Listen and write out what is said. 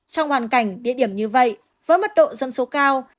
trong hoàn cảnh địa điểm như vậy với mật độ dân số cao